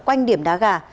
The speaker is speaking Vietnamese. quanh điểm đá gà